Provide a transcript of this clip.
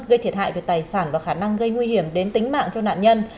gây thiệt hại về tài sản và khả năng gây nguy hiểm đến tính mạng cho nạn nhân